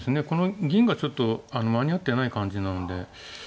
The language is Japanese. この銀がちょっと間に合ってない感じなので。